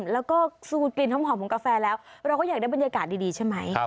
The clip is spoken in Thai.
แล้วก็สูตรกลิ่นหอมของกาแฟแล้วเราก็อยากได้บรรยากาศดีใช่ไหม